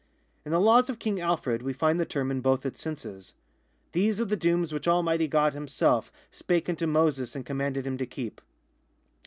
In the laws of King Alfred we find the term in both its senses. " Tlieso are the dooms which Almighty (^od himself spake unto Moses and com manded him to keep."